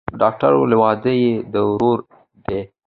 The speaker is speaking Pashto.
ډاکتر وويل واده يې د ورور دىه.